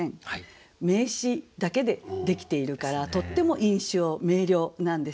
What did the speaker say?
名詞だけでできているからとっても印象明瞭なんですね。